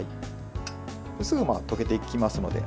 すぐ溶けていきますので。